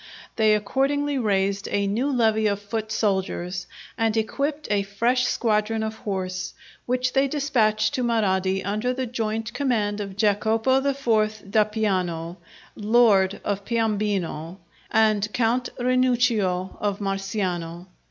They accordingly raised a new levy of foot soldiers, and equipped a fresh squadron of horse, which they despatched to Marradi under the joint command of Jacopo IV. d'Appiano, lord of Piombino, and Count Rinuccio of Marciano.